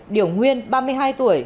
điều nguyên ba mươi hai tuổi